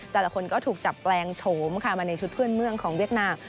แต่ละคนก็ถูกจับแปลงโฉมค่ะมาในชุดเพื่อนเมืองของเวียดนาม